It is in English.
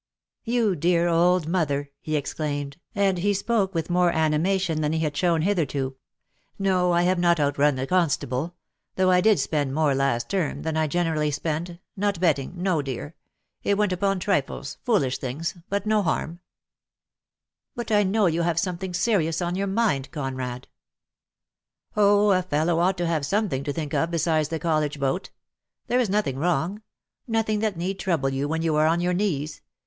"You dear old mother," he exclaimed, and he spoke with more animation than he had shown hitherto. "No, I have not outrun the constable; though I did spend more last term than I generally spend — not betting — no, dear. It went upon trifles, foolish thinQ[S — but no harm." DEAD LOVE IL\S CHAINS. 63 "But I know you have something serious on your mind, Conrad." "Oh, a fellow ought to have something to think of besides the college boat. There is nothing wrong, nothing that need trouble you when you are on your knees.